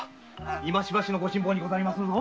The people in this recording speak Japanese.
今しばしのご辛抱にございます。